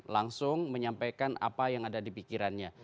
langsung menyampaikan apa yang ada di pikirannya